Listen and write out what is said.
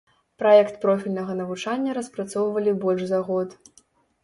Праект профільнага навучання распрацоўвалі больш за год.